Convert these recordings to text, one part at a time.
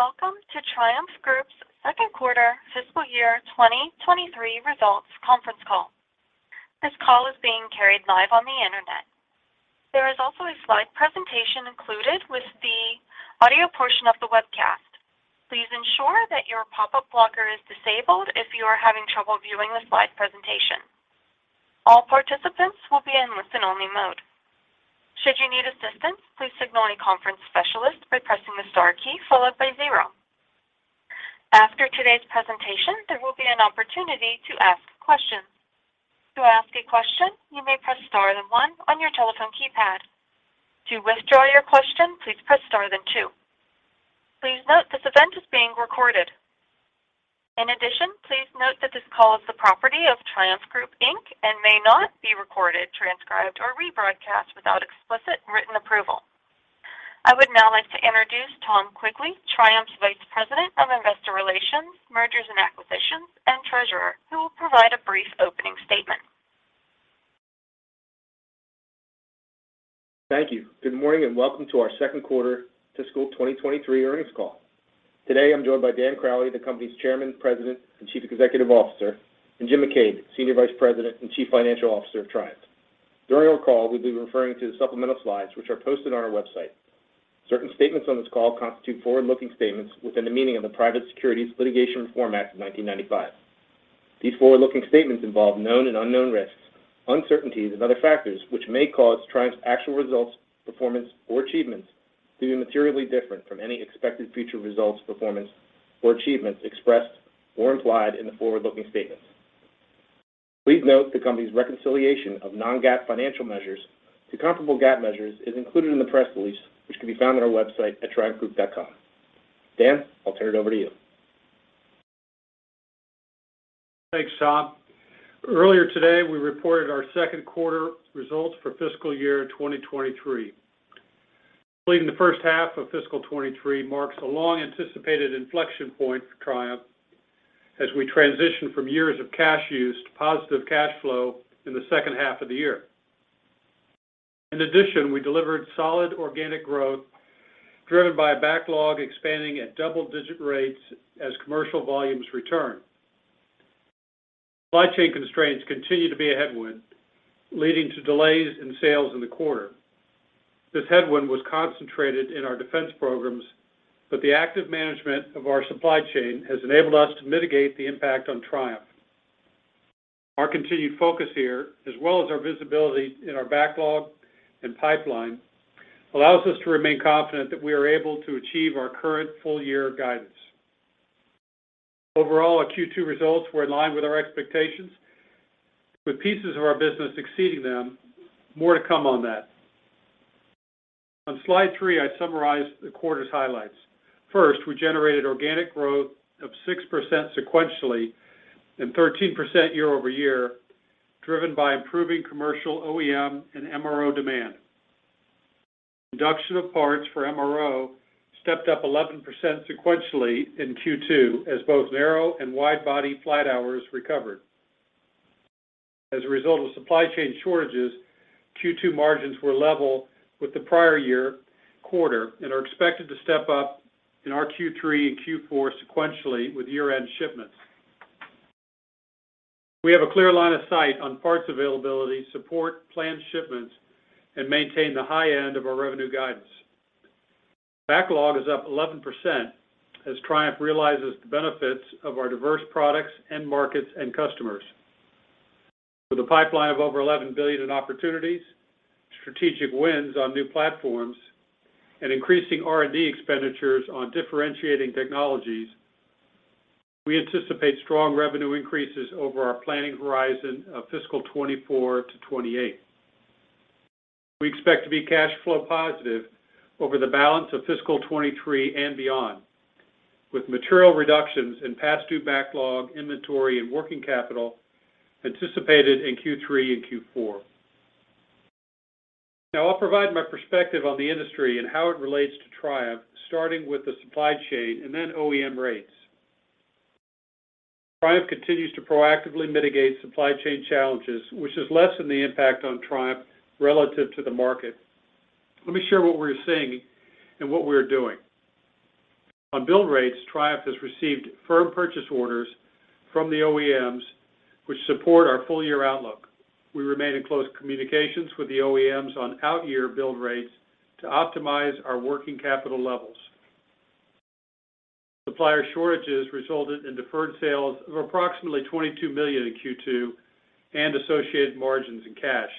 Welcome to Triumph Group's second quarter fiscal year 2023 results conference call. This call is being carried live on the Internet. There is also a slide presentation included with the audio portion of the webcast. Please ensure that your pop-up blocker is disabled if you are having trouble viewing the slide presentation. All participants will be in listen-only mode. Should you need assistance, please signal a conference specialist by pressing the star key followed by zero. After today's presentation, there will be an opportunity to ask questions. To ask a question, you may press star then one on your telephone keypad. To withdraw your question, please press star then two. Please note this event is being recorded. In addition, please note that this call is the property of Triumph Group, Inc. and may not be recorded, transcribed, or rebroadcast without explicit written approval. I would now like to introduce Tom Quigley, Triumph's Vice President of Investor Relations, Mergers and Acquisitions, and Treasurer, who will provide a brief opening statement. Thank you. Good morning, and welcome to our second quarter fiscal 2023 earnings call. Today, I'm joined by Dan Crowley, the company's Chairman, President, and Chief Executive Officer, and Jim McCabe, Senior Vice President and Chief Financial Officer of Triumph. During our call, we'll be referring to the supplemental slides which are posted on our website. Certain statements on this call constitute forward-looking statements within the meaning of the Private Securities Litigation Reform Act of 1995. These forward-looking statements involve known and unknown risks, uncertainties, and other factors which may cause Triumph's actual results, performance, or achievements to be materially different from any expected future results, performance, or achievements expressed or implied in the forward-looking statements. Please note the company's reconciliation of non-GAAP financial measures to comparable GAAP measures is included in the press release, which can be found on our website at triumphgroup.com. Dan, I'll turn it over to you. Thanks, Tom. Earlier today, we reported our second quarter results for fiscal year 2023. Completing the first half of fiscal 2023 marks a long-anticipated inflection point for Triumph as we transition from years of cash use to positive cash flow in the second half of the year. In addition, we delivered solid organic growth driven by a backlog expanding at double-digit rates as commercial volumes return. Supply chain constraints continue to be a headwind, leading to delays in sales in the quarter. This headwind was concentrated in our defense programs, but the active management of our supply chain has enabled us to mitigate the impact on Triumph. Our continued focus here, as well as our visibility in our backlog and pipeline, allows us to remain confident that we are able to achieve our current full-year guidance. Overall, our Q2 results were in line with our expectations, with pieces of our business exceeding them. More to come on that. On slide 3, I summarized the quarter's highlights. First, we generated organic growth of 6% sequentially and 13% year-over-year, driven by improving commercial OEM and MRO demand. Production of parts for MRO stepped up 11% sequentially in Q2 as both narrow and wide-body flight hours recovered. As a result of supply chain shortages, Q2 margins were level with the prior year quarter and are expected to step up in our Q3 and Q4 sequentially with year-end shipments. We have a clear line of sight on parts availability, support, planned shipments, and maintain the high end of our revenue guidance. Backlog is up 11% as Triumph realizes the benefits of our diverse products and markets and customers. With a pipeline of over $11 billion in opportunities, strategic wins on new platforms, and increasing R&D expenditures on differentiating technologies, we anticipate strong revenue increases over our planning horizon of fiscal 2024-2028. We expect to be cash flow positive over the balance of fiscal 2023 and beyond, with material reductions in past due backlog, inventory, and working capital anticipated in Q3 and Q4. Now I'll provide my perspective on the industry and how it relates to Triumph, starting with the supply chain and then OEM rates. Triumph continues to proactively mitigate supply chain challenges, which has lessened the impact on Triumph relative to the market. Let me share what we're seeing and what we're doing. On build rates, Triumph has received firm purchase orders from the OEMs which support our full-year outlook. We remain in close communications with the OEMs on out-year build rates to optimize our working capital levels. Supplier shortages resulted in deferred sales of approximately $22 million in Q2 and associated margins and cash.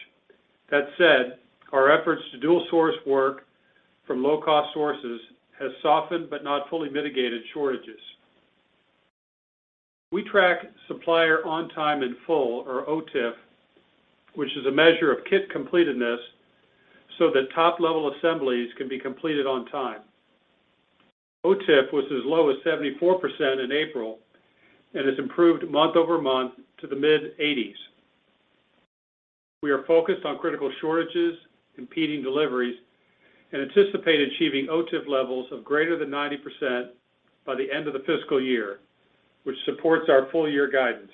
That said, our efforts to dual source work from low-cost sources has softened but not fully mitigated shortages. We track supplier on time and in full or OTIF, which is a measure of kit completeness so that top-level assemblies can be completed on time. OTIF was as low as 74% in April and has improved month-over-month to the mid-80s. We are focused on critical shortages, competing deliveries, and anticipate achieving OTIF levels of greater than 90% by the end of the fiscal year, which supports our full-year guidance.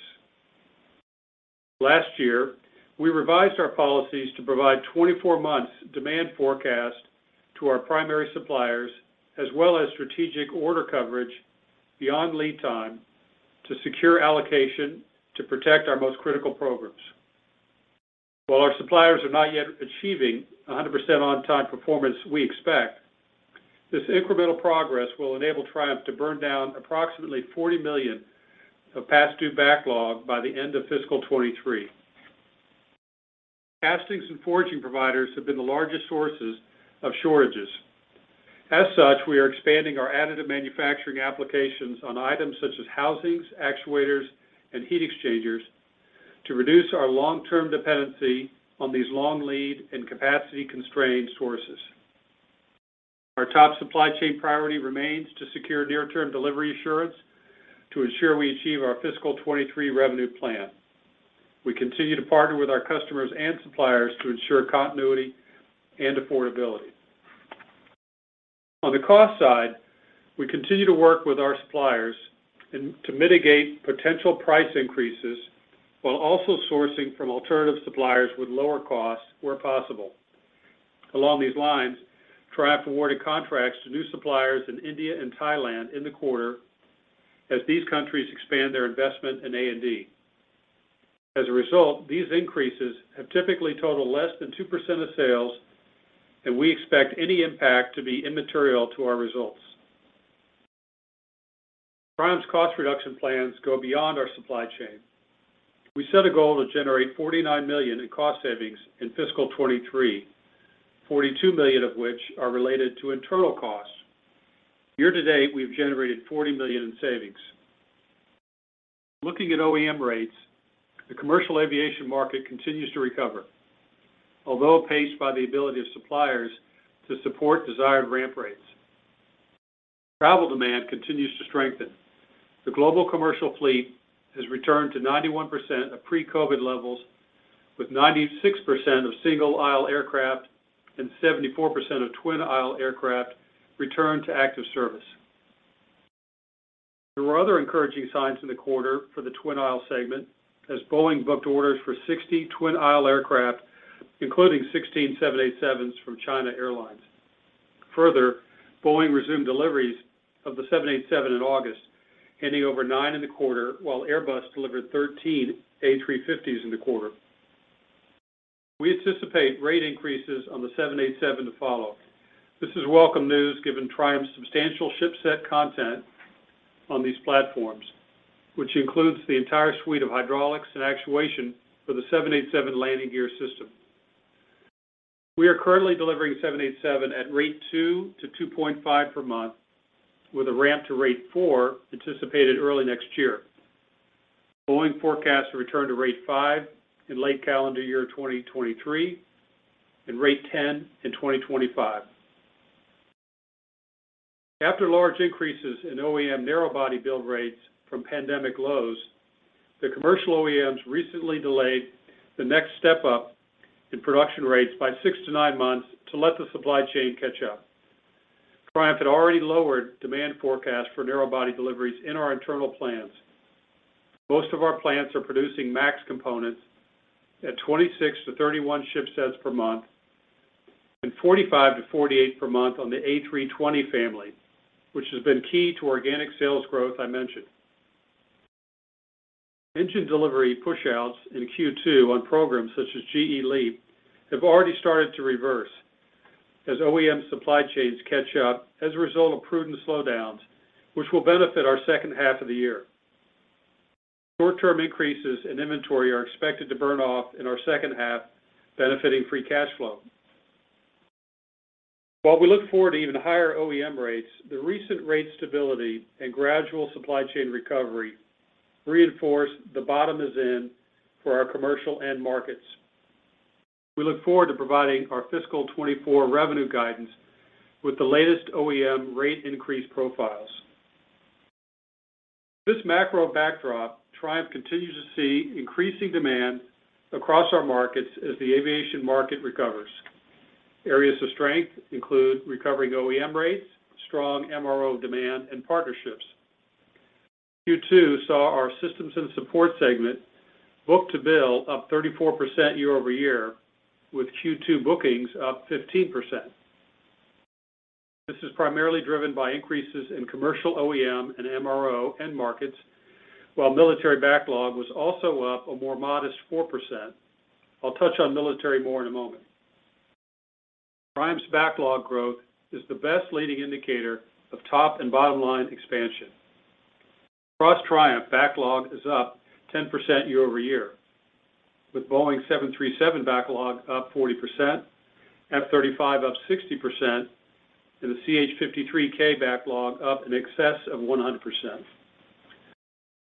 Last year, we revised our policies to provide 24 months demand forecast to our primary suppliers as well as strategic order coverage beyond lead time to secure allocation to protect our most critical programs. While our suppliers are not yet achieving 100% on time performance we expect, this incremental progress will enable Triumph to burn down approximately $40 million of past due backlog by the end of fiscal 2023. Castings and forging providers have been the largest sources of shortages. As such, we are expanding our additive manufacturing applications on items such as housings, actuators, and heat exchangers to reduce our long-term dependency on these long lead and capacity constrained sources. Our top supply chain priority remains to secure near term delivery assurance to ensure we achieve our fiscal 2023 revenue plan. We continue to partner with our customers and suppliers to ensure continuity and affordability. On the cost side, we continue to work with our suppliers and to mitigate potential price increases while also sourcing from alternative suppliers with lower costs where possible. Along these lines, Triumph awarded contracts to new suppliers in India and Thailand in the quarter as these countries expand their investment in A&D. As a result, these increases have typically totaled less than 2% of sales, and we expect any impact to be immaterial to our results. Triumph's cost reduction plans go beyond our supply chain. We set a goal to generate $49 million in cost savings in fiscal 2023, $42 million of which are related to internal costs. Year to date, we've generated $40 million in savings. Looking at OEM rates, the commercial aviation market continues to recover. Although paced by the ability of suppliers to support desired ramp rates. Travel demand continues to strengthen. The global commercial fleet has returned to 91% of pre-COVID levels with 96% of single aisle aircraft and 74% of twin aisle aircraft return to active service. There were other encouraging signs in the quarter for the twin aisle segment as Boeing booked orders for 60 twin aisle aircraft, including sixteen 787s from China Airlines. Further, Boeing resumed deliveries of the 787 in August, handing over nine in the quarter, while Airbus delivered thirteen A350s in the quarter. We anticipate rate increases on the 787 to follow. This is welcome news given Triumph's substantial ship set content on these platforms, which includes the entire suite of hydraulics and actuation for the 787 landing gear system. We are currently delivering 787 at rate 2-2.5 per month with a ramp to rate 4 anticipated early next year. Boeing forecasts a return to rate 5 in late calendar year 2023 and rate 10 in 2025. After large increases in OEM narrow body build rates from pandemic lows, the commercial OEMs recently delayed the next step up in production rates by 6-9 months to let the supply chain catch up. Triumph had already lowered demand forecast for narrow body deliveries in our internal plans. Most of our plants are producing MAX components at 26-31 ship sets per month and 45-48 per month on the A320 family, which has been key to organic sales growth I mentioned. Engine delivery push outs in Q2 on programs such as GE LEAP have already started to reverse as OEM supply chains catch up as a result of prudent slowdowns, which will benefit our second half of the year. Short term increases in inventory are expected to burn off in our second half benefiting free cash flow. While we look forward to even higher OEM rates, the recent rate stability and gradual supply chain recovery reinforce the bottom is in for our commercial end markets. We look forward to providing our fiscal 2024 revenue guidance with the latest OEM rate increase profiles. This macro backdrop, Triumph continues to see increasing demand across our markets as the aviation market recovers. Areas of strength include recovering OEM rates, strong MRO demand, and partnerships. Q2 saw our systems and support segment book to bill up 34% year-over-year with Q2 bookings up 15%. This is primarily driven by increases in commercial OEM and MRO end markets, while military backlog was also up a more modest 4%. I'll touch on military more in a moment. Triumph's backlog growth is the best leading indicator of top and bottom line expansion. Across Triumph, backlog is up 10% year-over-year with Boeing 737 backlog up 40%, F-35 up 60%, and the CH-53K backlog up in excess of 100%.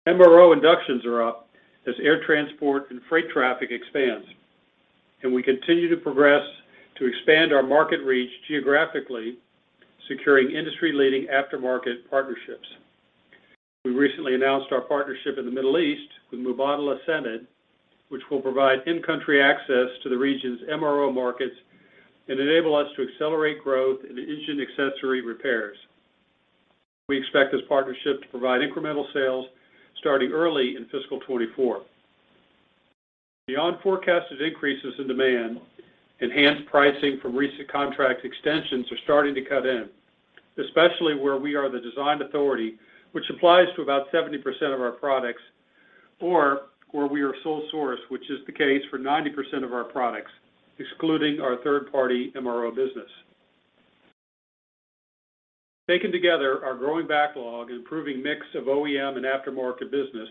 MRO inductions are up as air transport and freight traffic expands, and we continue to progress to expand our market reach geographically, securing industry-leading aftermarket partnerships. We recently announced our partnership in the Middle East with Mubadala's Sanad, which will provide in-country access to the region's MRO markets and enable us to accelerate growth in engine accessory repairs. We expect this partnership to provide incremental sales starting early in fiscal 2024. Beyond forecasted increases in demand, enhanced pricing from recent contract extensions are starting to kick in, especially where we are the design authority, which applies to about 70% of our products, or where we are sole source, which is the case for 90% of our products, excluding our third-party MRO business. Taken together, our growing backlog and improving mix of OEM and aftermarket business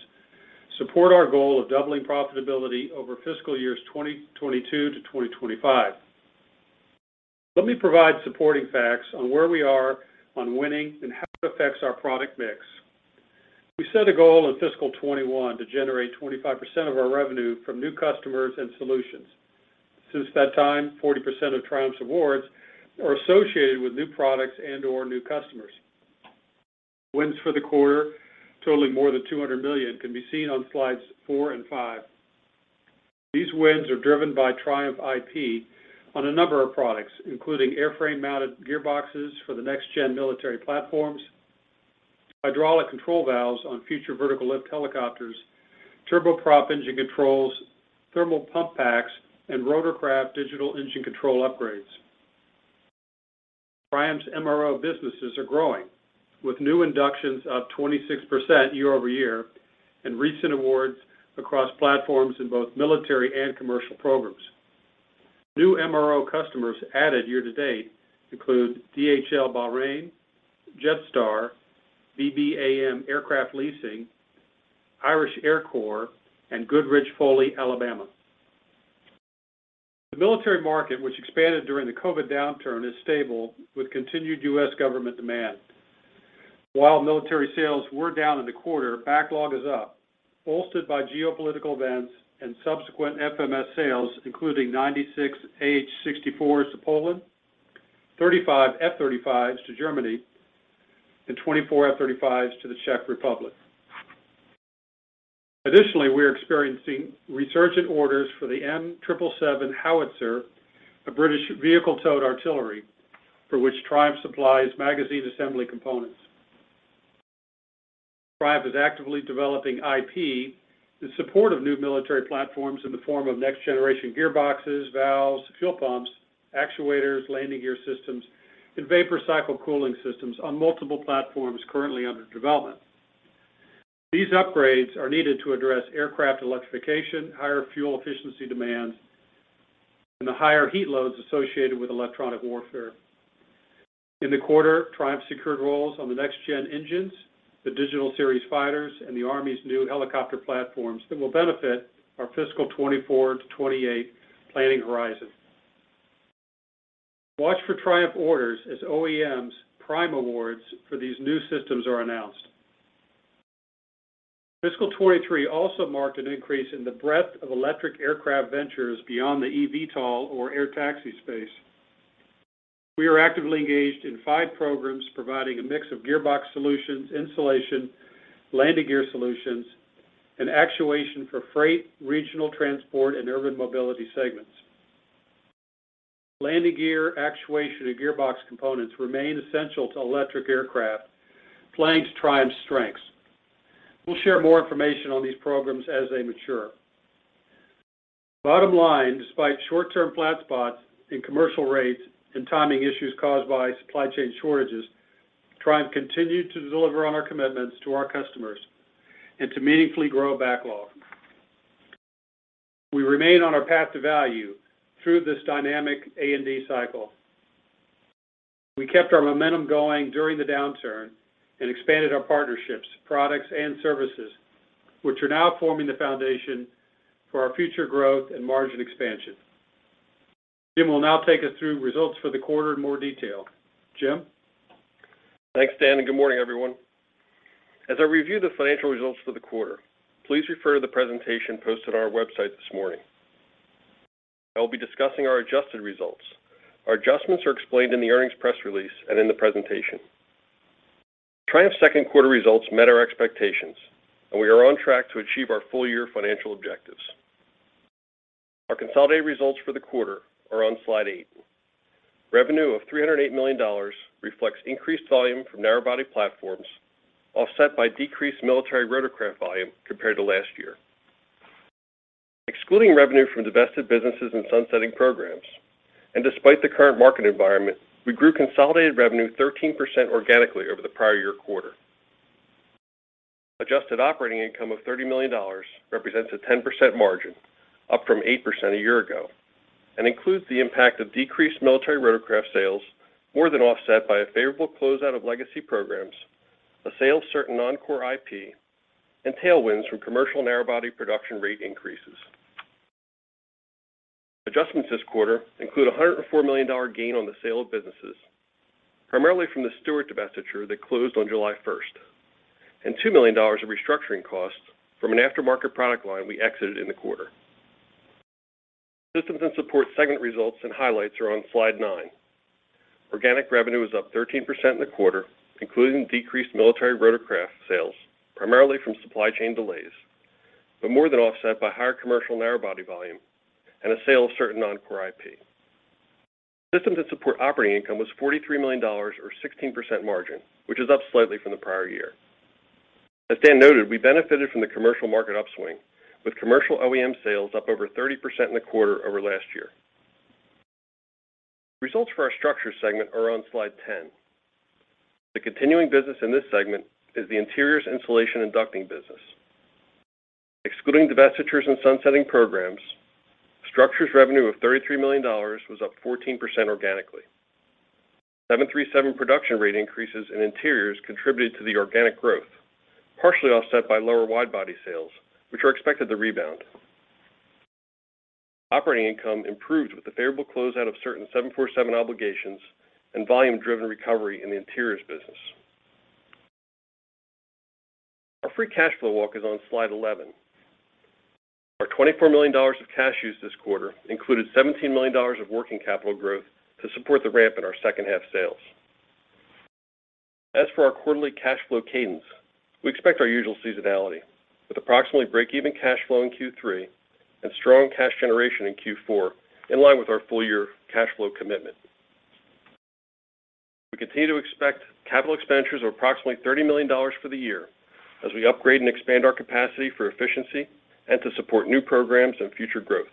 support our goal of doubling profitability over fiscal years 2022 to 2025. Let me provide supporting facts on where we are on winning and how it affects our product mix. We set a goal in fiscal 2021 to generate 25% of our revenue from new customers and solutions. Since that time, 40% of Triumph's awards are associated with new products and/or new customers. Wins for the quarter totaling more than $200 million can be seen on slides 4 and 5. These wins are driven by Triumph IP on a number of products, including airframe-mounted gearboxes for the next-gen military platforms, hydraulic control valves on Future Vertical Lift helicopters, turboprop engine controls, thermal pump packs, and rotorcraft digital engine control upgrades. Triumph's MRO businesses are growing with new inductions up 26% year-over-year and recent awards across platforms in both military and commercial programs. New MRO customers added year to date include DHL Bahrain, Jetstar, BBAM Aircraft Leasing, Irish Air Corps, and Goodrich Aerostructures, Foley, Alabama. The military market, which expanded during the COVID downturn, is stable with continued U.S. government demand. While military sales were down in the quarter, backlog is up, bolstered by geopolitical events and subsequent FMS sales, including 96 AH-64s to Poland, 35 F-35s to Germany, and 24 F-35s to the Czech Republic. Additionally, we are experiencing resurgent orders for the M777 howitzer, a British wheeled towed artillery for which Triumph supplies magazine assembly components. Triumph is actively developing IP in support of new military platforms in the form of next-generation gearboxes, valves, fuel pumps, actuators, landing gear systems, and vapor cycle cooling systems on multiple platforms currently under development. These upgrades are needed to address aircraft electrification, higher fuel efficiency demands, and the higher heat loads associated with electronic warfare. In the quarter, Triumph secured roles on the next-gen engines, the Digital Century Series fighters, and the Army's new helicopter platforms that will benefit our fiscal 2024-2028 planning horizon. Watch for Triumph orders as OEMs prime awards for these new systems are announced. Fiscal 2023 also marked an increase in the breadth of electric aircraft ventures beyond the eVTOL or air taxi space. We are actively engaged in 5 programs providing a mix of gearbox solutions, insulation, landing gear solutions, and actuation for freight, regional transport, and urban mobility segments. Landing gear, actuation, and gearbox components remain essential to electric aircraft, playing to Triumph's strengths. We'll share more information on these programs as they mature. Bottom line, despite short-term flat spots in commercial rates and timing issues caused by supply chain shortages, Triumph continued to deliver on our commitments to our customers and to meaningfully grow backlog. We remain on our path to value through this dynamic A&D cycle. We kept our momentum going during the downturn and expanded our partnerships, products, and services, which are now forming the foundation for our future growth and margin expansion. Jim will now take us through results for the quarter in more detail. Jim? Thanks, Dan, and good morning, everyone. As I review the financial results for the quarter, please refer to the presentation posted on our website this morning. I will be discussing our adjusted results. Our adjustments are explained in the earnings press release and in the presentation. Triumph's second quarter results met our expectations, and we are on track to achieve our full-year financial objectives. Our consolidated results for the quarter are on slide 8. Revenue of $308 million reflects increased volume from narrow-body platforms, offset by decreased military rotorcraft volume compared to last year. Excluding revenue from divested businesses and sunsetting programs, and despite the current market environment, we grew consolidated revenue 13% organically over the prior year quarter. Adjusted operating income of $30 million represents a 10% margin, up from 8% a year ago, and includes the impact of decreased military rotorcraft sales more than offset by a favorable closeout of legacy programs, a sale of certain non-core IP, and tailwinds from commercial narrow-body production rate increases. Adjustments this quarter include a $104 million gain on the sale of businesses, primarily from the Stuart divestiture that closed on July first, and $2 million of restructuring costs from an aftermarket product line we exited in the quarter. Systems and support segment results and highlights are on slide 9. Organic revenue is up 13% in the quarter, including decreased military rotorcraft sales, primarily from supply chain delays, but more than offset by higher commercial narrow-body volume and a sale of certain non-core IP. Systems and support operating income was $43 million or 16% margin, which is up slightly from the prior year. As Dan noted, we benefited from the commercial market upswing, with commercial OEM sales up over 30% in the quarter over last year. Results for our structure segment are on slide 10. The continuing business in this segment is the interiors, insulation, and ducting business. Excluding divestitures and sunsetting programs, structures revenue of $33 million was up 14% organically. 737 production rate increases in interiors contributed to the organic growth, partially offset by lower wide-body sales, which are expected to rebound. Operating income improved with the favorable closeout of certain 747 obligations and volume-driven recovery in the interiors business. Our free cash flow walk is on slide 11. Our $24 million of cash used this quarter included $17 million of working capital growth to support the ramp in our second half sales. As for our quarterly cash flow cadence, we expect our usual seasonality with approximately break-even cash flow in Q3 and strong cash generation in Q4, in line with our full-year cash flow commitment. We continue to expect capital expenditures of approximately $30 million for the year as we upgrade and expand our capacity for efficiency and to support new programs and future growth.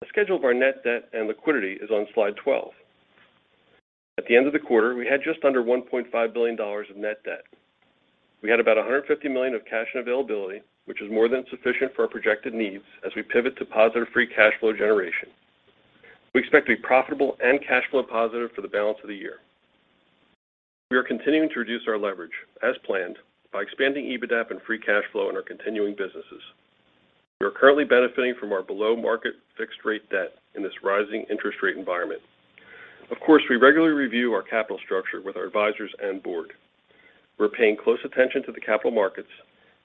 The schedule of our net debt and liquidity is on slide 12. At the end of the quarter, we had just under $1.5 billion of net debt. We had about $150 million of cash and availability, which is more than sufficient for our projected needs as we pivot to positive free cash flow generation. We expect to be profitable and cash flow positive for the balance of the year. We are continuing to reduce our leverage as planned by expanding EBITDA and free cash flow in our continuing businesses. We are currently benefiting from our below-market fixed rate debt in this rising interest rate environment. Of course, we regularly review our capital structure with our advisors and board. We're paying close attention to the capital markets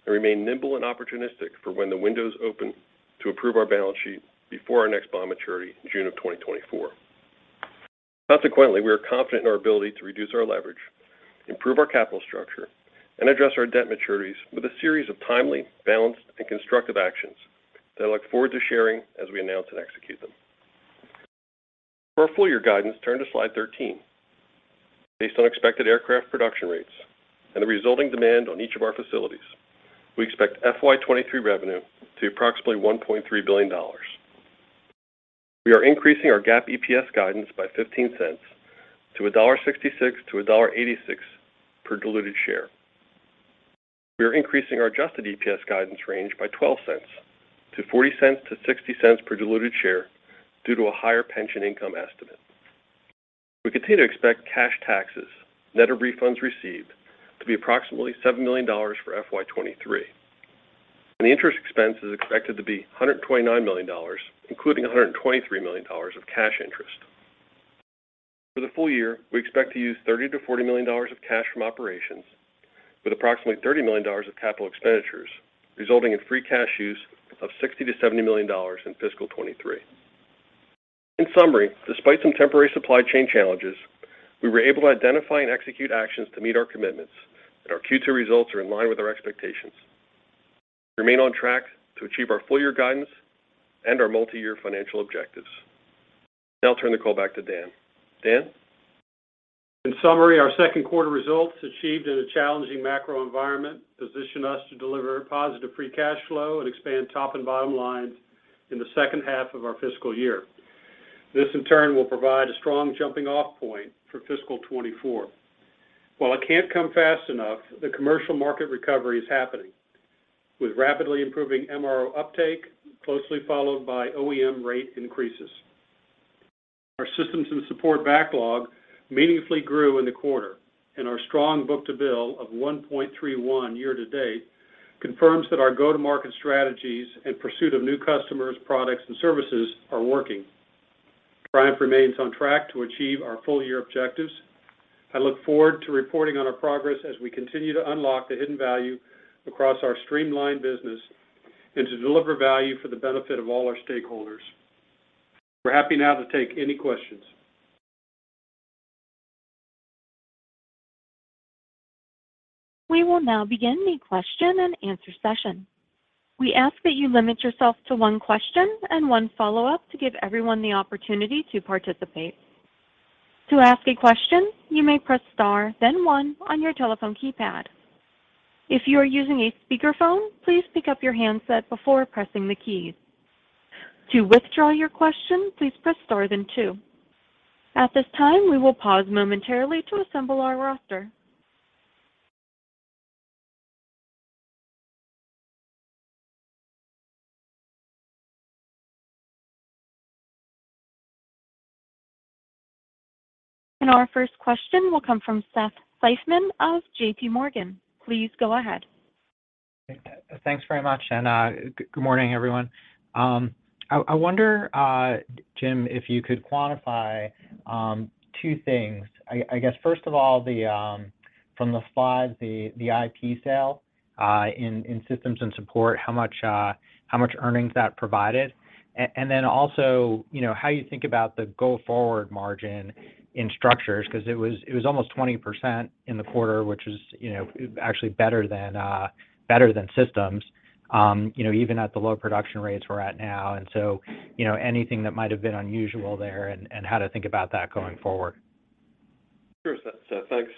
and remain nimble and opportunistic for when the windows open to improve our balance sheet before our next bond maturity in June of 2024. Consequently, we are confident in our ability to reduce our leverage, improve our capital structure, and address our debt maturities with a series of timely, balanced, and constructive actions that I look forward to sharing as we announce and execute them. For our full year guidance, turn to slide 13. Based on expected aircraft production rates and the resulting demand on each of our facilities, we expect FY23 revenue to be approximately $1.3 billion. We are increasing our GAAP EPS guidance by 15 cents to $1.66-$1.86 per diluted share. We are increasing our adjusted EPS guidance range by 12 cents to 40 cents-60 cents per diluted share due to a higher pension income estimate. We continue to expect cash taxes, net of refunds received, to be approximately $7 million for FY23. The interest expense is expected to be $129 million, including $123 million of cash interest. For the full year, we expect to use $30-$40 million of cash from operations, with approximately $30 million of capital expenditures, resulting in free cash use of $60-$70 million in fiscal 2023. In summary, despite some temporary supply chain challenges, we were able to identify and execute actions to meet our commitments, and our Q2 results are in line with our expectations. We remain on track to achieve our full year guidance and our multi-year financial objectives. Now I'll turn the call back to Dan. Dan? In summary, our second quarter results achieved in a challenging macro environment position us to deliver positive free cash flow and expand top and bottom lines in the second half of our fiscal year. This, in turn, will provide a strong jumping-off point for fiscal 2024. While it can't come fast enough, the commercial market recovery is happening, with rapidly improving MRO uptake closely followed by OEM rate increases. Our systems and support backlog meaningfully grew in the quarter, and our strong book-to-bill of 1.31 year-to-date confirms that our go-to-market strategies and pursuit of new customers, products, and services are working. Triumph remains on track to achieve our full-year objectives. I look forward to reporting on our progress as we continue to unlock the hidden value across our streamlined business and to deliver value for the benefit of all our stakeholders. We're happy now to take any questions. We will now begin the question and answer session. We ask that you limit yourself to one question and one follow-up to give everyone the opportunity to participate. To ask a question, you may press star, then one on your telephone keypad. If you are using a speakerphone, please pick up your handset before pressing the keys. To withdraw your question, please press star then two. At this time, we will pause momentarily to assemble our roster. Our first question will come from Seth Seifman of JP Morgan. Please go ahead. Thanks very much. Good morning, everyone. I wonder, Jim, if you could quantify two things. I guess, first of all, from the slides, the IP sale in systems and support, how much earnings that provided. And then also, you know, how you think about the go-forward margin in structures because it was almost 20% in the quarter, which is, you know, actually better than systems, you know, even at the low production rates we're at now. You know, anything that might have been unusual there and how to think about that going forward. Sure, Seth. Thanks.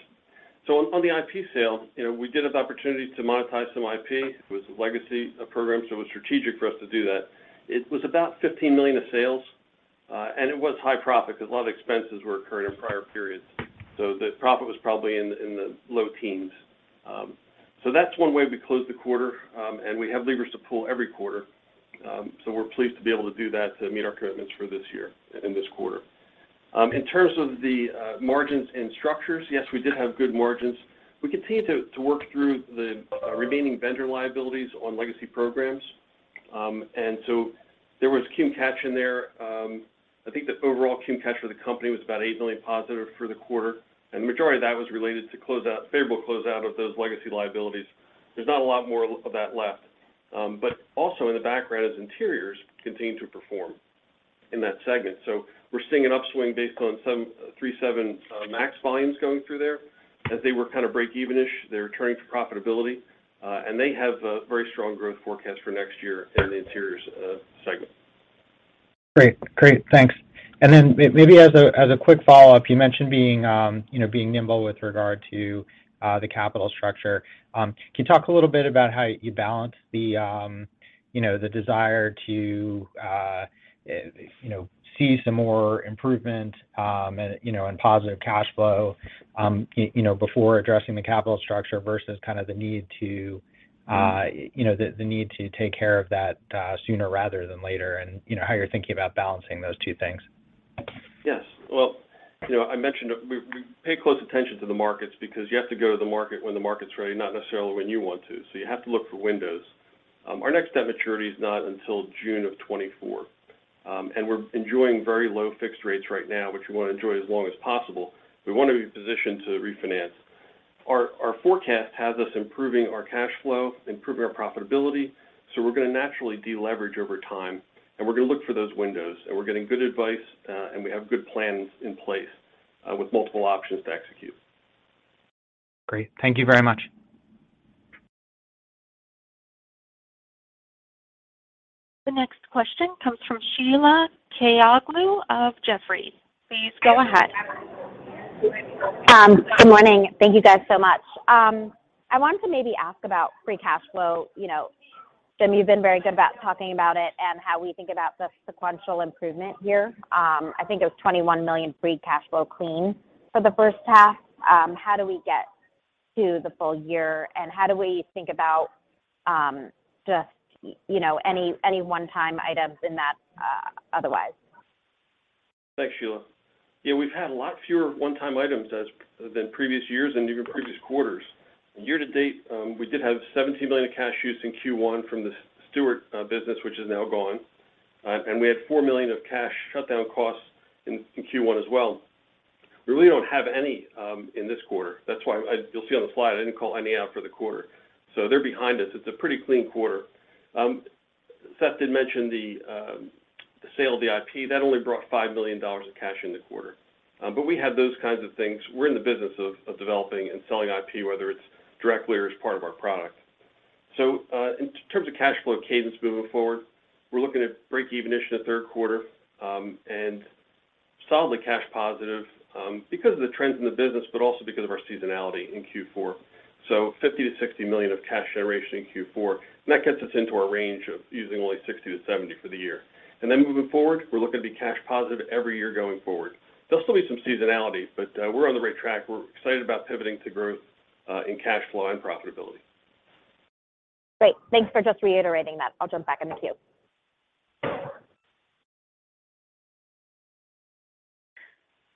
On the IP sale, you know, we did have the opportunity to monetize some IP with legacy programs, so it was strategic for us to do that. It was about $15 million of sales, and it was high profit 'cause a lot of expenses were incurred in prior periods. The profit was probably in the low teens%. That's one way we closed the quarter, and we have levers to pull every quarter, so we're pleased to be able to do that to meet our commitments for this year and this quarter. In terms of the margins and structures, yes, we did have good margins. We continue to work through the remaining vendor liabilities on legacy programs. There was clean catch in there. I think the overall clean catch for the company was about $8 million positive for the quarter, and the majority of that was related to favorable close out of those legacy liabilities. There's not a lot more of that left. Also in the background is Interiors continue to perform in that segment. We're seeing an upswing based on some 737 MAX volumes going through there as they were kind of breakeven-ish. They're returning to profitability, and they have a very strong growth forecast for next year in the Interiors segment. Great. Thanks. Maybe as a quick follow-up, you mentioned being nimble with regard to the capital structure. Can you talk a little bit about how you balance the desire to see some more improvement you know and positive cash flow you know before addressing the capital structure versus kind of the need to take care of that sooner rather than later, and you know how you're thinking about balancing those two things? Yes. Well, you know, I mentioned we pay close attention to the markets because you have to go to the market when the market's ready, not necessarily when you want to. You have to look for windows. Our next debt maturity is not until June of 2024. We're enjoying very low fixed rates right now, which we want to enjoy as long as possible. We want to be positioned to refinance. Our forecast has us improving our cash flow, improving our profitability, so we're gonna naturally deleverage over time, and we're gonna look for those windows. We're getting good advice, and we have good plans in place, with multiple options to execute. Great. Thank you very much. The next question comes from Sheila Kahyaoglu of Jefferies. Please go ahead. Good morning. Thank you guys so much. I wanted to maybe ask about free cash flow. You know, Jim, you've been very good about talking about it and how we think about the sequential improvement here. I think it was $21 million free cash flow clean for the first half. How do we get to the full year, and how do we think about, just, you know, any one-time items in that, otherwise? Thanks, Sheila. Yeah, we've had a lot fewer one-time items than previous years and even previous quarters. Year to date, we did have $17 million of cash used in Q1 from the Stuart business, which is now gone. We had $4 million of cash shutdown costs in Q1 as well. We really don't have any in this quarter. That's why you'll see on the slide, I didn't call any out for the quarter. They're behind us. It's a pretty clean quarter. Seth did mention the sale of the IP. That only brought $5 million of cash in the quarter. We have those kinds of things. We're in the business of developing and selling IP, whether it's directly or as part of our product. In terms of cash flow cadence moving forward, we're looking at breakeven-ish in the third quarter, and solidly cash positive, because of the trends in the business, but also because of our seasonality in Q4. $50-60 million of cash generation in Q4, and that gets us into our range of using only $60-70 million for the year. Moving forward, we're looking to be cash positive every year going forward. There'll still be some seasonality, but we're on the right track. We're excited about pivoting to growth in cash flow and profitability. Great. Thanks for just reiterating that. I'll jump back in the queue.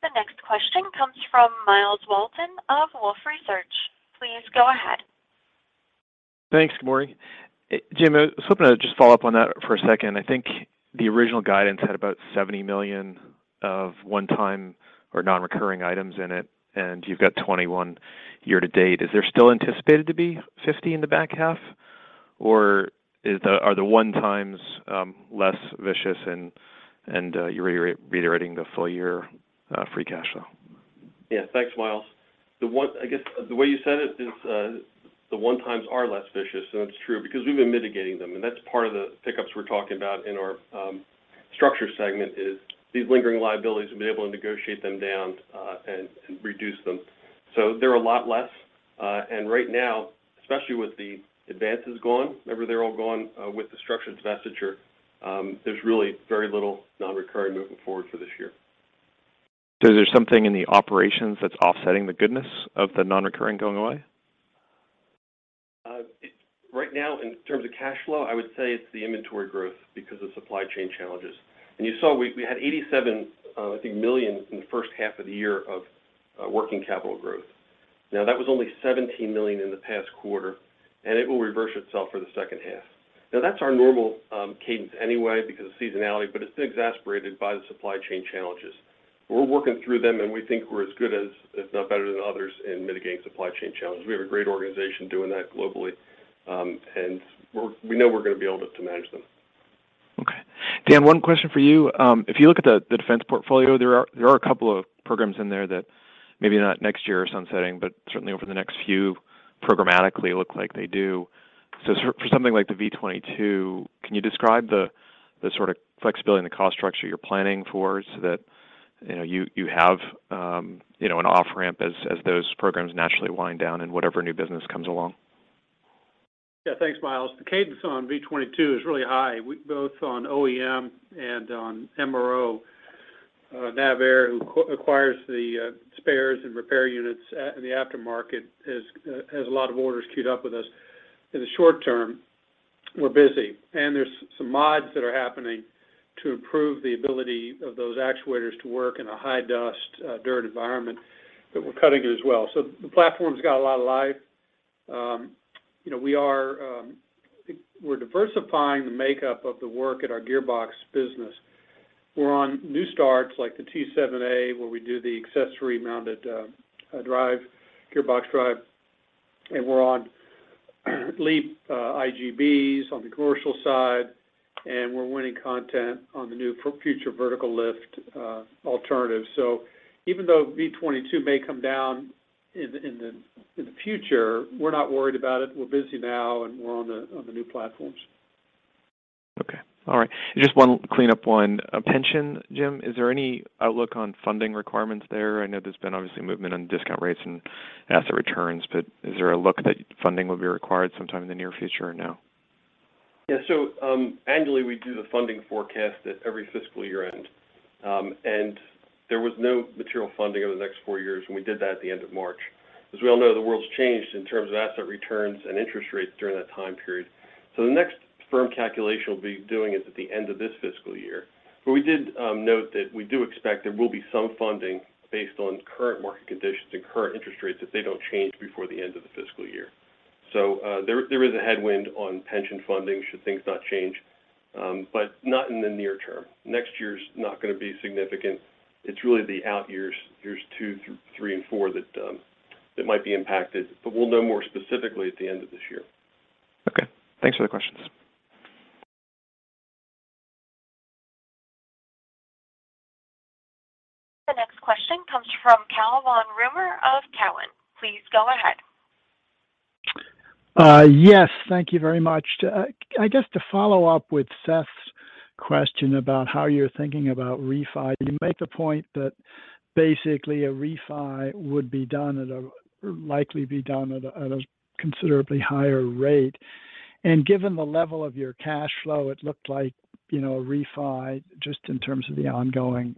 The next question comes from Myles Walton of Wolfe Research. Please go ahead. Thanks. Good morning. Jim, I was hoping to just follow up on that for a second. I think the original guidance had about $70 million of one-time or non-recurring items in it, and you've got $21 year to date. Is there still anticipated to be $50 in the back half, or are the one times less vicious and you're reiterating the full year free cash flow? Yeah. Thanks, Myles. I guess the way you said it is, the one times are less vicious, and it's true because we've been mitigating them. That's part of the pickups we're talking about in our Aerostructures segment. These lingering liabilities, we've been able to negotiate them down and reduce them. They're a lot less, and right now, especially with the advances gone, remember they're all gone with the Aerostructures divestiture, there's really very little non-recurring moving forward for this year. Is there something in the operations that's offsetting the goodness of the non-recurring going away? Right now, in terms of cash flow, I would say it's the inventory growth because of supply chain challenges. You saw we had $87 million in the first half of the year of working capital growth. Now, that was only $17 million in the past quarter, and it will reverse itself for the second half. Now, that's our normal cadence anyway because of seasonality, but it's been exacerbated by the supply chain challenges. We're working through them, and we think we're as good as, if not better than others in mitigating supply chain challenges. We have a great organization doing that globally, and we know we're gonna be able to manage them. Okay. Dan, one question for you. If you look at the defense portfolio, there are a couple of programs in there that maybe not next year are sunsetting, but certainly over the next few programmatically look like they do. For something like the V-22, can you describe the sort of flexibility and the cost structure you're planning for so that you know you have you know an off-ramp as those programs naturally wind down and whatever new business comes along? Yeah. Thanks, Myles. The cadence on V-22 is really high. We both on OEM and on MRO. NAVAIR, who acquires the spares and repair units in the aftermarket has a lot of orders queued up with us. In the short term, we're busy, and there's some mods that are happening to improve the ability of those actuators to work in a high dust dirt environment, but we're cutting it as well. The platform's got a lot of life. You know, I think we're diversifying the makeup of the work at our gearbox business. We're on new starts like the T-7A, where we do the accessory mounted drive gearbox drive, and we're on LEAP IGBs on the commercial side, and we're winning content on the new future vertical lift alternatives. Even though V-22 may come down in the future, we're not worried about it. We're busy now, and we're on the new platforms. Okay. All right. Just one clean up one. Pension, Jim, is there any outlook on funding requirements there? I know there's been obviously movement on discount rates and asset returns, but is there a look that funding will be required sometime in the near future or no? Yeah. Annually, we do the funding forecast at every fiscal year end. There was no material funding over the next four years when we did that at the end of March. As we all know, the world's changed in terms of asset returns and interest rates during that time period. The next firm calculation we'll be doing is at the end of this fiscal year. We did note that we do expect there will be some funding based on current market conditions and current interest rates if they don't change before the end of the fiscal year. There is a headwind on pension funding should things not change, but not in the near term. Next year's not gonna be significant. It's really the out years 2 through 3 and 4 that might be impacted, but we'll know more specifically at the end of this year. Okay. Thanks for the questions. The next question comes from Gautam Khanna of Cowen. Please go ahead. Yes. Thank you very much. I guess to follow up with Seth's question about how you're thinking about refi. You make a point that basically a refi would likely be done at a considerably higher rate. Given the level of your cash flow, it looked like, you know, a refi just in terms of the ongoing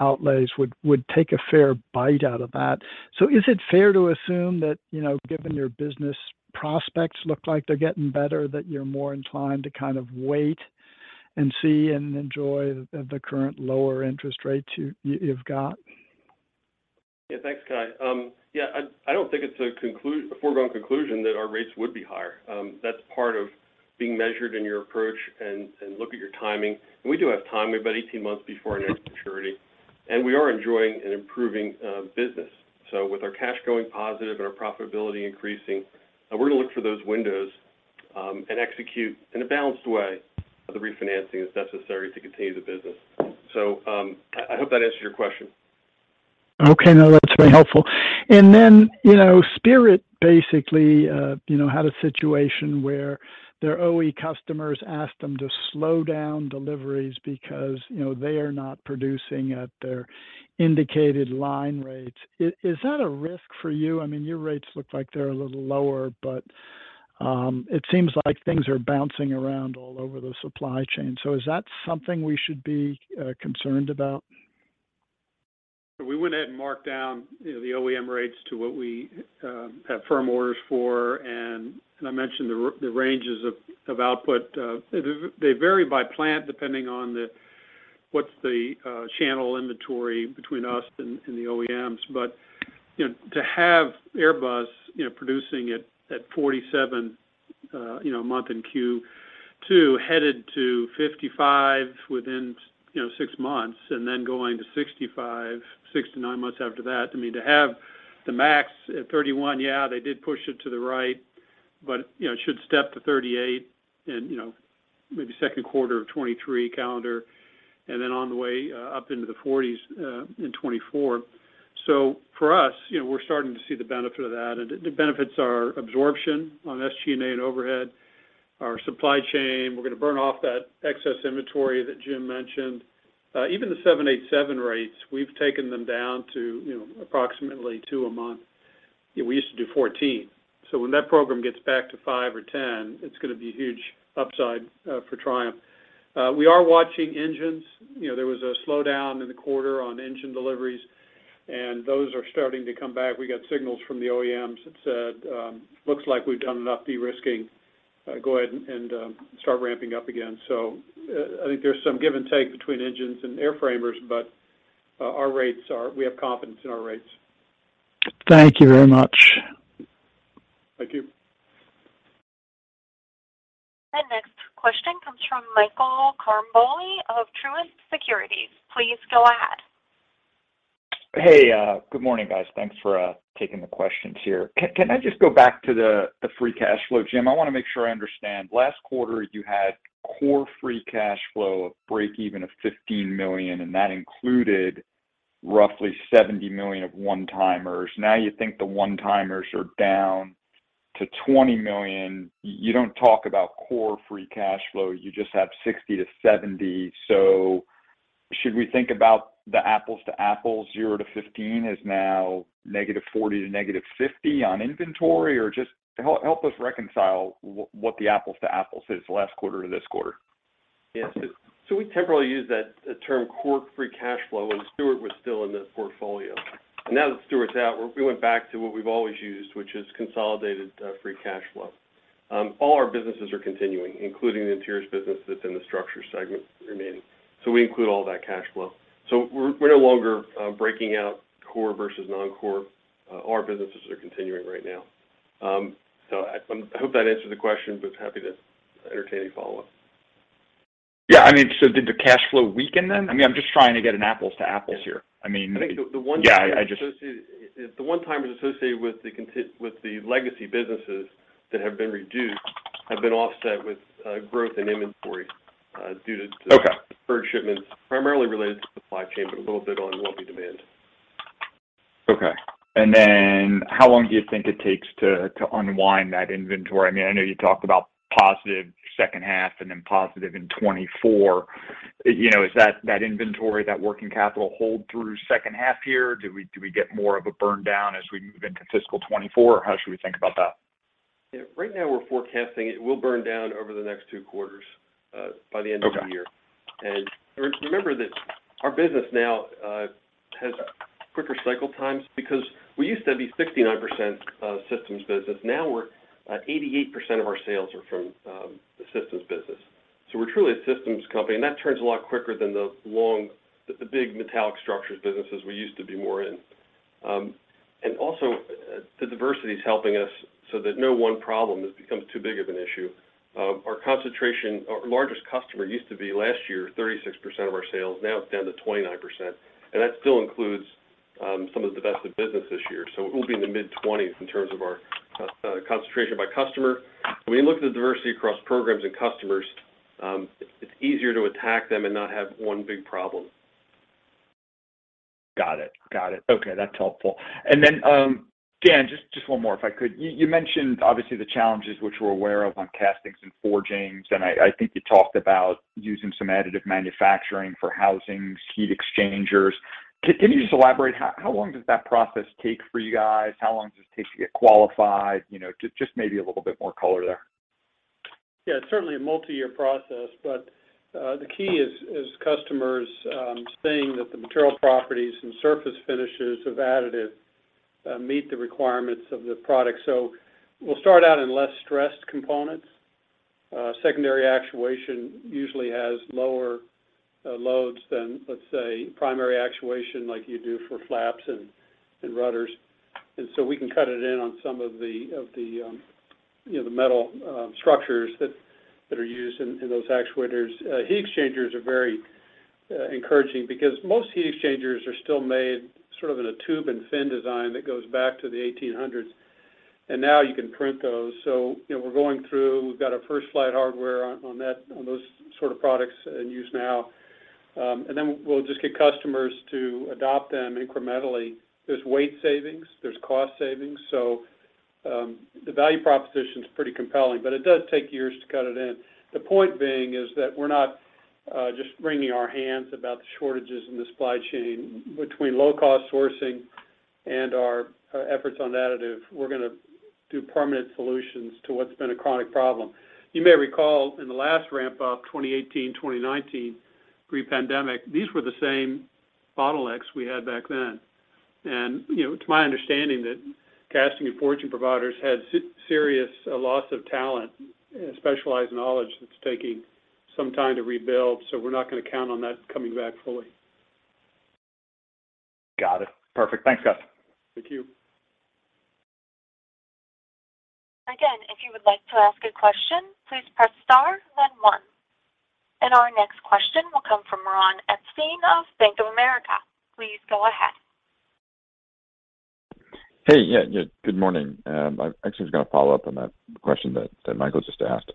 outlays would take a fair bite out of that. Is it fair to assume that, you know, given your business prospects look like they're getting better, that you're more inclined to kind of wait and see and enjoy the current lower interest rates you've got? Yeah. Thanks, Guy. Yeah, I don't think it's a foregone conclusion that our rates would be higher. That's part of being measured in your approach and look at your timing. We do have time. We have about 18 months before our next maturity, and we are enjoying an improving business. With our cash going positive and our profitability increasing, we're gonna look for those windows and execute in a balanced way of the refinancing that's necessary to continue the business. I hope that answered your question. Okay. No, that's very helpful. Then, you know, Spirit AeroSystems basically had a situation where their OE customers asked them to slow down deliveries because, you know, they are not producing at their indicated line rates. Is that a risk for you? I mean, your rates look like they're a little lower, but it seems like things are bouncing around all over the supply chain. Is that something we should be concerned about? We went ahead and marked down, you know, the OEM rates to what we have firm orders for. I mentioned the ranges of output. They vary by plant depending on the channel inventory between us and the OEMs. You know, to have Airbus producing at 47 a month in Q2, headed to 55 within six months and then going to 65, six to nine months after that. I mean, to have the Max at 31, yeah, they did push it to the right, but you know, it should step to 38 in maybe second quarter of 2023 calendar, and then on the way up into the 40s in 2024. For us, you know, we're starting to see the benefit of that, and it benefits our absorption on SG&A and overhead, our supply chain. We're gonna burn off that excess inventory that Jim mentioned. Even the 787 rates, we've taken them down to, you know, approximately 2 a month. You know, we used to do 14. When that program gets back to 5 or 10, it's gonna be a huge upside for Triumph. We are watching engines. You know, there was a slowdown in the quarter on engine deliveries, and those are starting to come back. We got signals from the OEMs that said, "Looks like we've done enough de-risking. Go ahead and start ramping up again." I think there's some give and take between engines and airframers, but our rates are. We have confidence in our rates. Thank you very much. Thank you. The next question comes from Michael Ciarmoli of Truist Securities. Please go ahead. Hey, good morning, guys. Thanks for taking the questions here. Can I just go back to the free cash flow? Jim, I wanna make sure I understand. Last quarter, you had core free cash flow from breakeven to $15 million, and that included Roughly $70 million of one-timers. Now you think the one-timers are down to $20 million. You don't talk about core free cash flow. You just have $60 million-$70 million. Should we think about the apples to apples, $0-$15 million is now -$40 million to -$50 million on inventory? Or just help us reconcile what the apples to apples is last quarter to this quarter. Yes. We temporarily use that, the term core free cash flow when Stuart was still in the portfolio. Now that Stuart's out, we went back to what we've always used, which is consolidated free cash flow. All our businesses are continuing, including the interiors business that's in the Structures segment remaining. We include all that cash flow. We're no longer breaking out core versus non-core. All our businesses are continuing right now. I hope that answers the question, but happy to entertain any follow-up. Yeah. I mean, so did the cash flow weaken then? I mean, I'm just trying to get an apples to apples here. Yeah. I mean. I think the one- Yeah, I just- The one-timers associated with the legacy businesses that have been reduced have been offset with growth in inventory due to. Okay deferred shipments, primarily related to supply chain, but a little bit on wobbly demand. Okay. How long do you think it takes to unwind that inventory? I mean, I know you talked about positive second half and then positive in 2024. You know, is that inventory, that working capital hold through second half year? Do we get more of a burn down as we move into fiscal 2024? How should we think about that? Right now we're forecasting it will burn down over the next two quarters, by the end. Okay Remember that our business now has quicker cycle times because we used to be 69% systems business. Now we're 88% of our sales are from the systems business. We're truly a systems company, and that turns a lot quicker than the long, the big metallic structures businesses we used to be more in. Also the diversity is helping us so that no one problem has become too big of an issue. Our concentration. Our largest customer used to be last year, 36% of our sales. Now it's down to 29%, and that still includes some of the divested business this year. It will be in the mid-20s in terms of our concentration by customer. When you look at the diversity across programs and customers, it's easier to attack them and not have one big problem. Got it. Okay, that's helpful. Dan, just one more, if I could. You mentioned obviously the challenges which we're aware of on castings and forgings, and I think you talked about using some additive manufacturing for housings, heat exchangers. Can you just elaborate how long does that process take for you guys? How long does it take to get qualified? You know, just maybe a little bit more color there. Yeah, it's certainly a multi-year process, but the key is customers saying that the material properties and surface finishes of additive meet the requirements of the product. We'll start out in less stressed components. Secondary actuation usually has lower loads than, let's say, primary actuation like you do for flaps and rudders. We can cut it in on some of the you know, the metal structures that are used in those actuators. Heat exchangers are very encouraging because most heat exchangers are still made sort of in a tube and fin design that goes back to the 1800s, and now you can print those. You know, we're going through. We've got our first flight hardware on that, on those sort of products in use now. We'll just get customers to adopt them incrementally. There's weight savings, there's cost savings, the value proposition is pretty compelling, but it does take years to cut it in. The point being is that we're not just wringing our hands about the shortages in the supply chain. Between low cost sourcing and our efforts on additive, we're gonna do permanent solutions to what's been a chronic problem. You may recall in the last ramp up, 2018, 2019, pre-pandemic, these were the same bottlenecks we had back then. To my understanding that casting and forging providers had serious loss of talent and specialized knowledge that's taking some time to rebuild. We're not gonna count on that coming back fully. Got it. Perfect. Thanks, guys. Thank you. Again, if you would like to ask a question, please press star then one. Our next question will come from Ron Epstein of Bank of America. Please go ahead. Hey. Yeah, yeah. Good morning. I actually was gonna follow up on that question that Michael just asked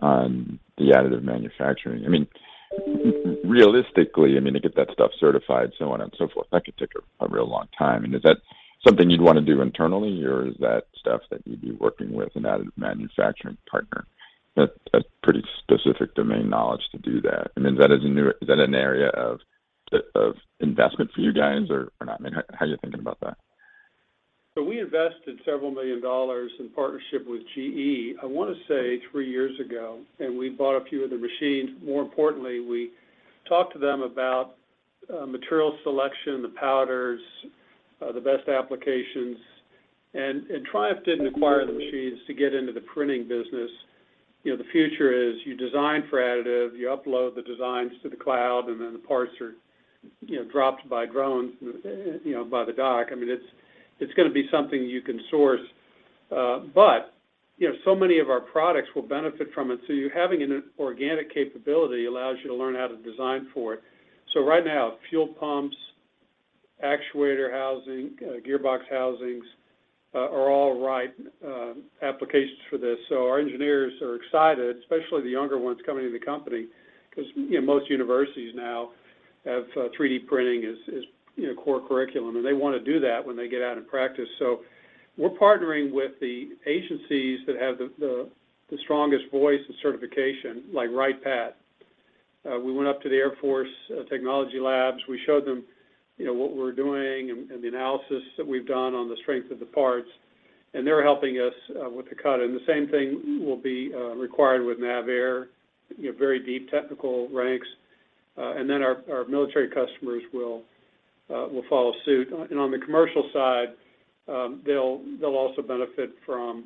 on the additive manufacturing. I mean, realistically, I mean, to get that stuff certified, so on and so forth, that could take a real long time. Is that something you'd wanna do internally, or is that stuff that you'd be working with an additive manufacturing partner? That's a pretty specific domain knowledge to do that. I mean, is that an area of investment for you guys or not? I mean, how are you thinking about that? We invested several million dollars in partnership with GE, I wanna say 3 years ago, and we bought a few of their machines. More importantly, we talked to them about material selection, the powders, the best applications. Triumph didn't acquire the machines to get into the printing business. You know, the future is you design for additive, you upload the designs to the cloud, and then the parts are, you know, dropped by drones, you know, by the dock. I mean, it's gonna be something you can source. But, you know, so many of our products will benefit from it, so you having an organic capability allows you to learn how to design for it. Right now, fuel pumps, actuator housing, gearbox housings are all right applications for this. Our engineers are excited, especially the younger ones coming into the company, because most universities now have 3D printing as core curriculum, and they want to do that when they get out and practice. We're partnering with the agencies that have the strongest voice and certification, like Wright-Patt. We went up to the Air Force technology labs. We showed them what we're doing and the analysis that we've done on the strength of the parts, and they're helping us with the cert. The same thing will be required with NAVAIR, very deep technical ranks. Then our military customers will follow suit. On the commercial side, they'll also benefit from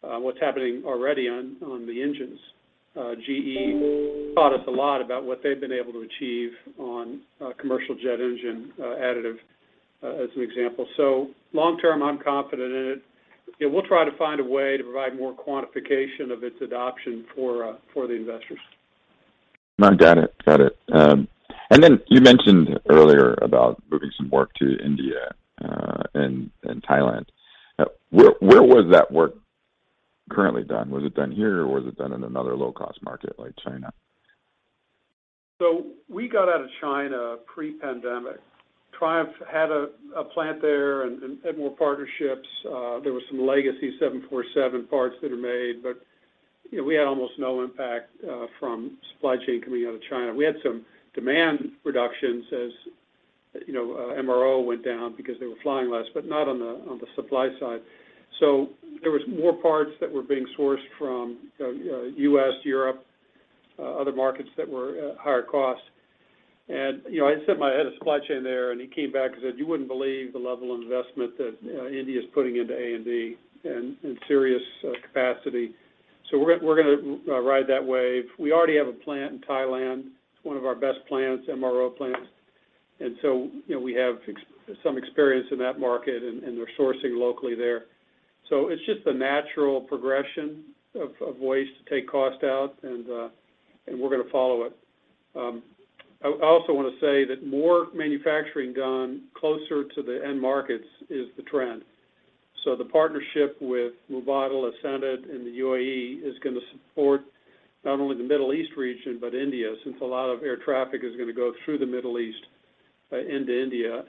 what's happening already on the engines. GE taught us a lot about what they've been able to achieve on commercial jet engine additive as an example. Long term, I'm confident in it. We'll try to find a way to provide more quantification of its adoption for the investors. Got it. You mentioned earlier about moving some work to India and Thailand. Where was that work currently done? Was it done here or was it done in another low-cost market like China? We got out of China pre-pandemic. Triumph had a plant there and had more partnerships. There were some legacy 747 parts that are made, but we had almost no impact from supply chain coming out of China. We had some demand reductions as MRO went down because they were flying less, but not on the supply side. There was more parts that were being sourced from U.S., Europe, other markets that were higher cost. I sent my head of supply chain there, and he came back and said, you wouldn't believe the level of investment that India is putting into A&D in serious capacity. We're going to ride that wave. We already have a plant in Thailand. It's one of our best plants, MRO plants. We have some experience in that market, and they're sourcing locally there. It's just a natural progression of ways to take cost out, and we're going to follow it. I also want to say that more manufacturing done closer to the end markets is the trend. The partnership with Mubadala's Sanad in the UAE is going to support not only the Middle East region, but India, since a lot of air traffic is going to go through the Middle East into India.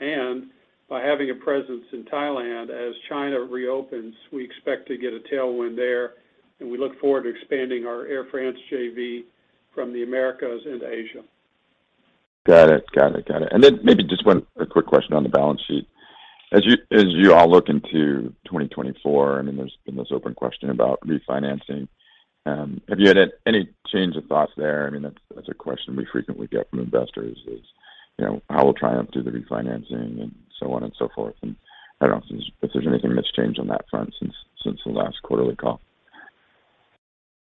By having a presence in Thailand, as China reopens, we expect to get a tailwind there. We look forward to expanding our Air France JV from the Americas into Asia. Got it. Maybe just one quick question on the balance sheet. As you all look into 2024, I mean, there's been this open question about refinancing. Have you had any change of thoughts there? I mean, that's a question we frequently get from investors is, you know, how will Triumph do the refinancing and so on and so forth? I don't know if there's anything that's changed on that front since the last quarterly call.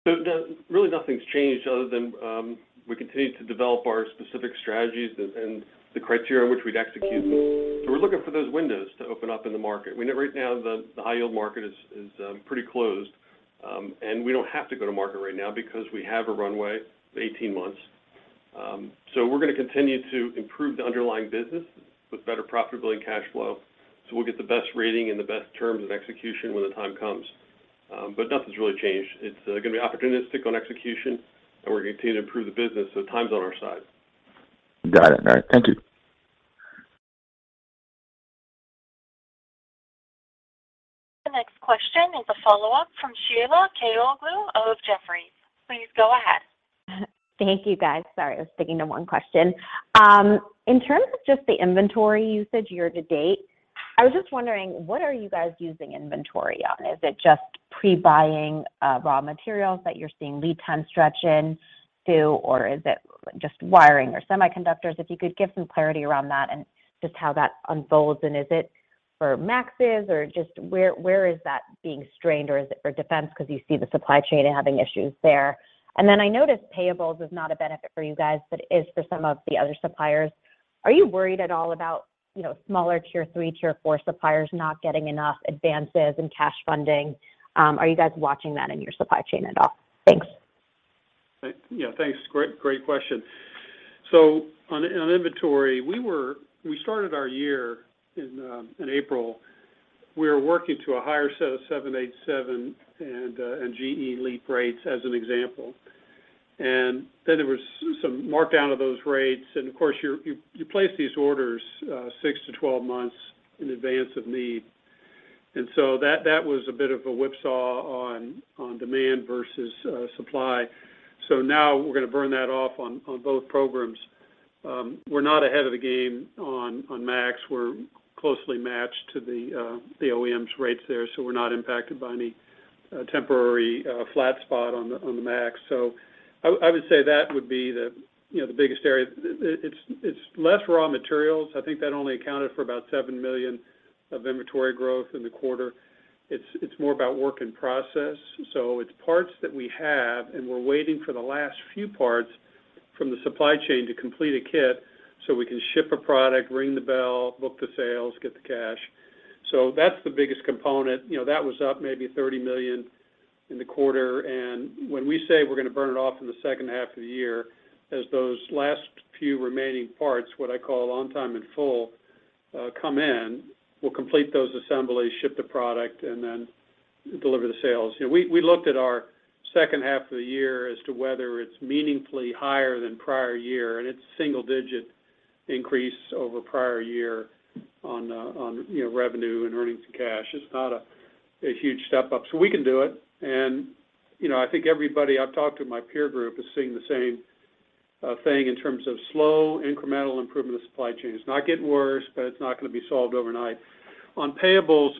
Really nothing's changed other than we continue to develop our specific strategies and the criteria in which we'd execute them. We're looking for those windows to open up in the market. Right now, the high-yield market is pretty closed. We don't have to go to market right now because we have a runway of 18 months. We're going to continue to improve the underlying business with better profitability and cash flow. We'll get the best rating and the best terms of execution when the time comes. Nothing's really changed. It's going to be opportunistic on execution, and we're going to continue to improve the business. Time's on our side. Got it. All right. Thank you. The next question is a follow-up from Sheila Kahyaoglu of Jefferies. Please go ahead. Thank you, guys. Sorry, I was sticking to one question. In terms of just the inventory usage year to date, I was just wondering, what are you guys using inventory on? Is it just pre-buying raw materials that you're seeing lead time stretch into, or is it just wiring or semiconductors? If you could give some clarity around that and just how that unfolds? Is it for MAXes or just where is that being strained or is it for defense because you see the supply chain having issues there? Then I noticed payables is not a benefit for you guys, but it is for some of the other suppliers. Are you worried at all about smaller tier three, tier four suppliers not getting enough advances and cash funding? Are you guys watching that in your supply chain at all? Thanks. Yeah, thanks. Great question. On inventory, we started our year in April. We were working to a higher set of 787 and GE LEAP rates as an example. Then there was some markdown of those rates. Of course, you place these orders six to 12 months in advance of need. That was a bit of a whipsaw on demand versus supply. Now we're going to burn that off on both programs. We're not ahead of the game on MAX. We're closely matched to the OEM's rates there. We're not impacted by any temporary flat spot on the MAX. I would say that would be the biggest area. It's less raw materials. I think that only accounted for about $7 million of inventory growth in the quarter. It's more about work in process. It's parts that we have, and we're waiting for the last few parts from the supply chain to complete a kit so we can ship a product, ring the bell, book the sales, get the cash. That's the biggest component. That was up maybe $30 million in the quarter. When we say we're gonna burn it off in the second half of the year, as those last few remaining parts, what I call on time in full, come in, we'll complete those assemblies, ship the product, and then deliver the sales. You know, we looked at our second half of the year as to whether it's meaningfully higher than prior year, and it's single-digit increase over prior year on revenue and earnings and cash. It's not a huge step up, so we can do it. You know, I think everybody I've talked to in my peer group is seeing the same thing in terms of slow incremental improvement of supply chains. Not getting worse, but it's not gonna be solved overnight. On payables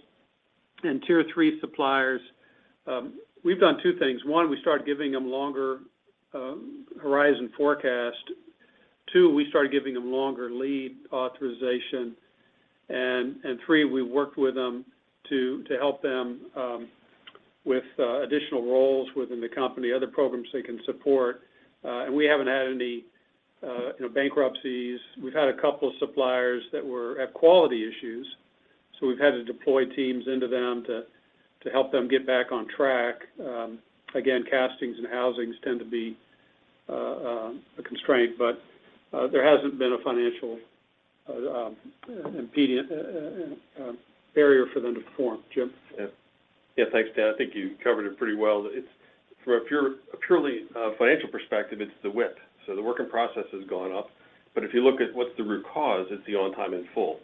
and tier three suppliers, we've done two things. One, we started giving them longer horizon forecast. Two, we started giving them longer lead authorization. Three, we worked with them to help them with additional roles within the company, other programs they can support. We haven't had any, you know, bankruptcies. We've had a couple of suppliers that had quality issues, so we've had to deploy teams into them to help them get back on track. Again, castings and housings tend to be a constraint. There hasn't been a financial barrier for them to perform. Jim? Yeah. Yeah, thanks, Ted. I think you covered it pretty well. It's from a purely financial perspective, it's the WIP. The work in process has gone up. If you look at what's the root cause, it's the on time in full.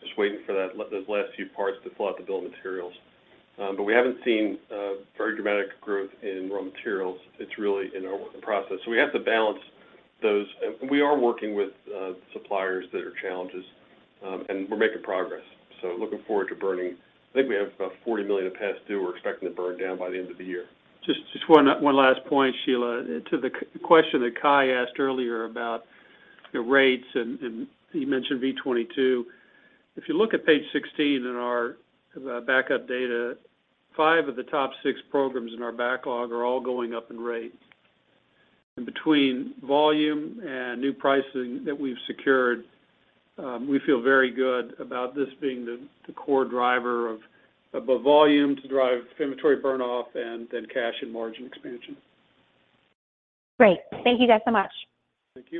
Just waiting for those last few parts to fill out the bill of materials. We haven't seen very dramatic growth in raw materials. It's really in our work in process. We have to balance those. We are working with suppliers that are challenging, and we're making progress. Looking forward to burning down. I think we have about $40 million of past due we're expecting to burn down by the end of the year. Just one last point, Sheila. To the question that Cai asked earlier about the rates, and he mentioned V-22. If you look at page 16 in our backup data, five of the top six programs in our backlog are all going up in rate. Between volume and new pricing that we've secured, we feel very good about this being the core driver of the volume to drive inventory burn off and then cash and margin expansion. Great. Thank you guys so much. Thank you.